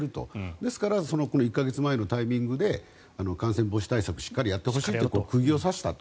ですから１か月前のタイミングで感染防止対策をしっかりやってほしいと釘を刺したと。